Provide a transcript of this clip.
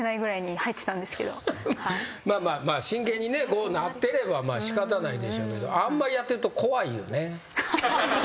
真剣になってれば仕方ないでしょうけどあんまりやってると怖いよね。